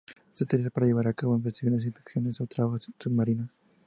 Se utiliza para llevar a cabo investigaciones, inspecciones o trabajos submarinos.